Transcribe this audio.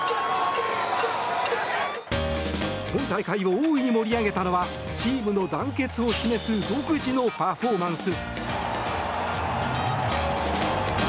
今大会を大いに盛り上げたのはチームの団結を示す独自のパフォーマンス。